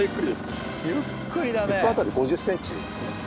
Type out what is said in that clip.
１分あたり５０センチですね。